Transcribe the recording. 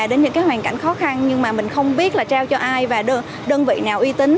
đến những hoàn cảnh khó khăn nhưng mà mình không biết là trao cho ai và đơn vị nào uy tín